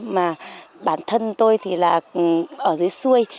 mà bản thân tôi thì là ở dưới xuôi